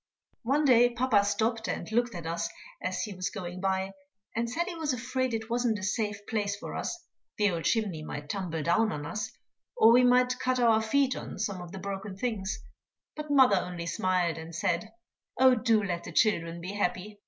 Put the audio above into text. One day papa stopped and looked at us as he was going by, and said he was afraid it wasn't a safe place for us, the old chimney might tumble down on us, or we might cut our feet on some of the broken things; but mother only smiled and said, "Oh, do let the children be happy."